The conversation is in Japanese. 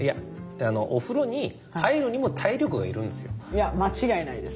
いや間違いないです。